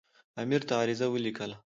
امیر ته عریضه ولیکله.